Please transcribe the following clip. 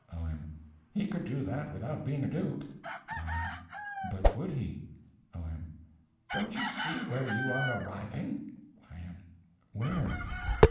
O.M. He could do that without being a duke. Y.M. But would he? O.M. Don't you see where you are arriving? Y.M. Where?